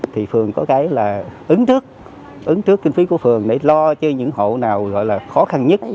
thì phường có cái là ứng trước ứng trước kinh phí của phường để lo cho những hộ nào gọi là khó khăn nhất